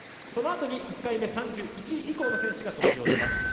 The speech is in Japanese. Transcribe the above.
そのあとに１回目３１位以降の選手が登場します。